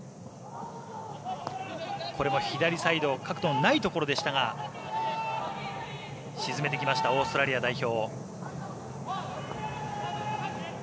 左サイド角度のないところでしたが沈めてきましたオーストラリア代表。